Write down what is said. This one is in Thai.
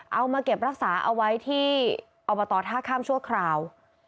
เอามาเก็บรักษาเอาไว้ที่อบตท่าข้ามชั่วคราว